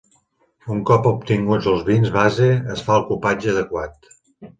Un cop obtinguts els vins base es fa el cupatge adequat.